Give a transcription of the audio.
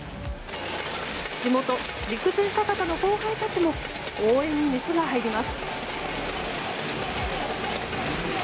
地元・陸前高田の後輩たちも応援に熱が入ります。